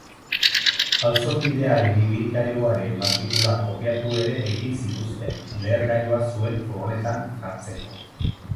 Auzokidearen ibilgailuaren matrikulak kopiatu ere egin zituzten, lehergailua zuen furgonetan jartzeko.